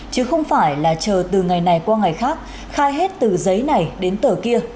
chứ không phải là chờ từ ngày này qua ngày khác khai hết từ giấy này đến tờ kia